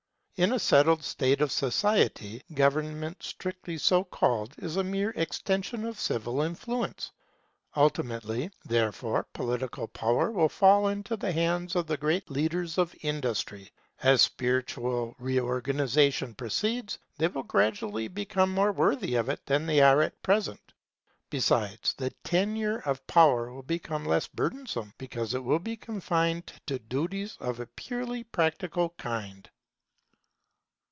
In a settled state of society, Government, strictly so called, is a mere extension of civil influence. Ultimately, therefore, political power will fall into the hands of the great leaders of industry. As spiritual reorganization proceeds, they will gradually become more worthy of it than they are at present. Besides, the tenure of power will become less burdensome, because it will be confined to duties of a purely practical kind.